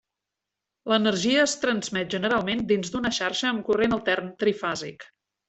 L'energia es transmet generalment dins d'una xarxa amb corrent altern trifàsic.